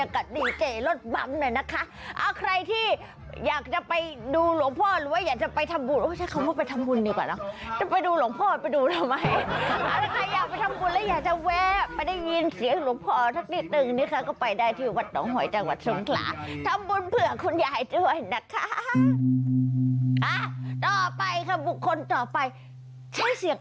ใครค่ะบุคคลต่อไปใช้เสียงแอดไวน์มากกว่านี้อีก